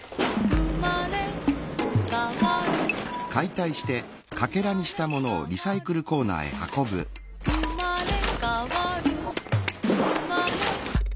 「うまれかわるうまれかわる」